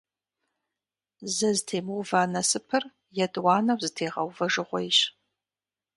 Зэ зэтемыува насыпыр етӀуанэу зэтегъэувэжыгъуейщ.